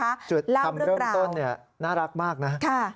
เล่าเรื่องราวจุดทำเริ่มต้นน่ารักมากนะครับค่ะ